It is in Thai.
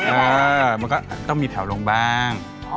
เออมันก็ต้องมีแถวลงบ้าง